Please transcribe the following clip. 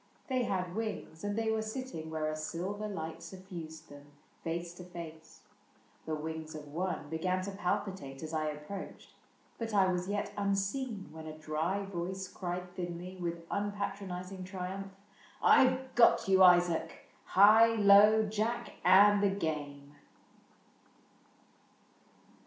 They had wings, And they were sitting where a silver light SufRised them, face to face. The wings of one Began to palpitate as I approached. But I was yet unseen when a dry voice Cried thinly, with unpatronizing triumph, '' I 've got you, Isaac ; high, low, jack, and the game."